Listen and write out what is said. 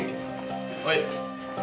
はい。